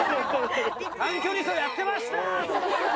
短距離走やってました！